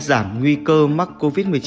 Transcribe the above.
giảm nguy cơ mắc covid một mươi chín